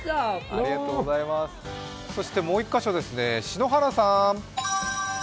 そしてもう１か所ですね、篠原さん。